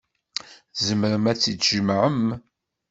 Tzemrem ad tt-tjemɛem.